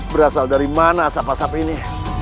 berasal dari mana asap asap ini